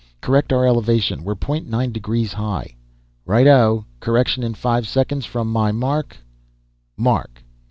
"Correct our elevation; we're point nine degrees high." "Right o. Correction in five seconds from my mark mark!"